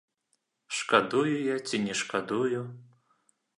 Шкадую я ці не шкадую?